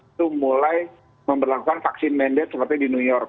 itu mulai memperlakukan vaksin mandat seperti di new york